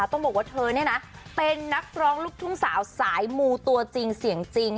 ต้องบอกว่าเธอเนี่ยนะเป็นนักร้องลูกทุ่งสาวสายมูตัวจริงเสียงจริง